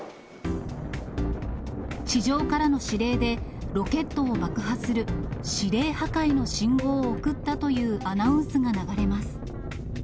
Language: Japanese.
地上からの指令で、ロケットを爆破する指令破壊の信号を送ったというアナウンスが流れます。